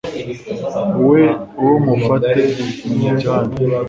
we uwo mumufate mumujyane